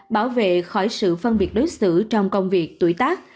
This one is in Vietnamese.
bảo vệ khỏi sự phân biệt đối xử trong công việc tuổi tác